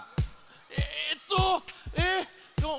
えっとえっと。